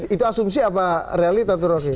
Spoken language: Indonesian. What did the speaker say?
itu asumsi apa reali tante rosi